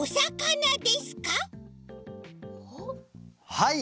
はい。